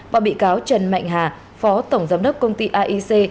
và bị cáo trần mạnh hà phó tổng giám đốc công ty aic